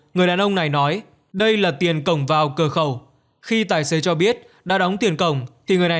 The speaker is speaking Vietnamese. người đàn ông này nói đây là tiền cổng vào cửa khẩu khi tài xế cho biết đã đóng tiền cổng thì người này